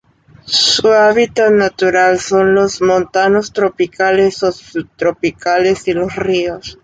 Su hábitat natural son los montanos tropicales o subtropicales y los ríos.